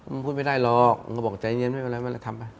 มันพูดไม่ได้หรอกมึงก็บอกใจเย็นไม่เป็นไรไม่ได้ทำไป